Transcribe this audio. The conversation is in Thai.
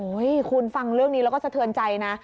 คุณฟังเรื่องนี้แล้วก็สะเทือนใจนะ